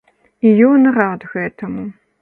І ён рад гэтаму.